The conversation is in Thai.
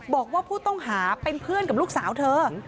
บอกว่าผู้ต้องหาเป็นเพื่อนกับลูกสาวเธอ